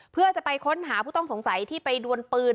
เพื่อจะไปค้นหาผู้ต้องสงสัยที่ไปดวนปืน